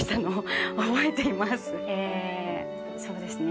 「そうですね。